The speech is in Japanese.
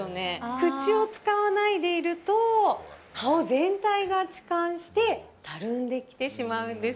口を使わないでいると、顔全体が弛緩して、たるんできてしまうんです。